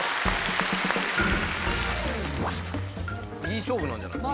いい勝負なんじゃない？